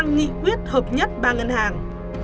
nghị quyết hợp nhất ba ngân hàng